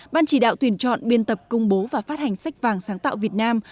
ban chỉ đạo tuyển chọn biên tập công bố và phát hành sách vàng sáng tạo việt nam